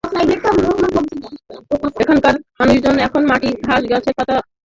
এখানকার মানুষজন এখন মাটি, ঘাস, গাছের পাতা খেয়ে কোনো রকমে বেঁচে আছে।